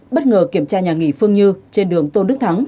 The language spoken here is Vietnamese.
bất ngờ kiểm tra nhà nghỉ phương như trên đường tôn đức thắng